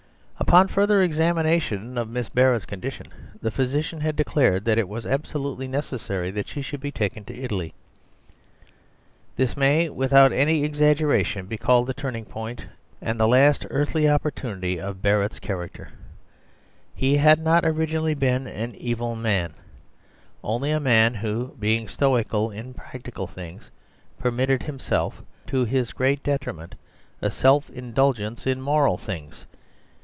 Upon further examination of Miss Barrett's condition, the physicians had declared that it was absolutely necessary that she should be taken to Italy. This may, without any exaggeration, be called the turning point and the last great earthly opportunity of Barrett's character. He had not originally been an evil man, only a man who, being stoical in practical things, permitted himself, to his great detriment, a self indulgence in moral things.